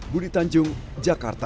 budi tanjung jakarta